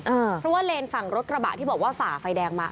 เพราะว่าเลนฝั่งรถกระบะที่บอกว่าฝ่าไฟแดงมา